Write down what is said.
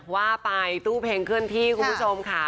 ว่าไปตู้เพลงเคลื่อนที่คุณผู้ชมค่ะ